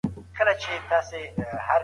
بېنظم ژوند بدن ستړی کوي